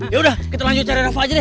ya udah kita lanjut cari rafa aja deh